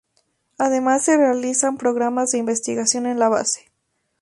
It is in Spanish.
Además, se realizan programas de investigación en la base.